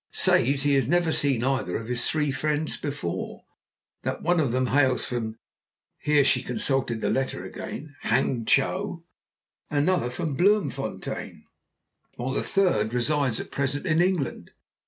Says he has never seen either of his three friends before; that one of them hails from (here she consulted the letter again) Hang chow, another from Bloemfontein, while the third resides, at present, in England.